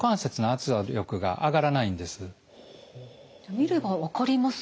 見れば分かりますね。